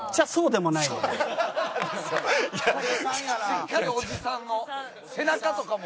しっかりおじさんの背中とかも。